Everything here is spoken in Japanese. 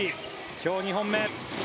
今日２本目。